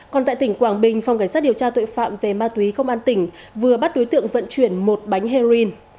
còn tại tỉnh quảng bình phòng cảnh sát điều tra tội phạm về ma túy công an tỉnh vừa bắt đối tượng vận chuyển một bánh heroin